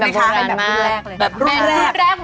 แบบอุดแรกเหมือนที่แม่ขอเล็กเลยครับ